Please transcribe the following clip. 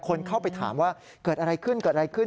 คนเข้าไปถามว่าเกิดอะไรขึ้นเกิดอะไรขึ้น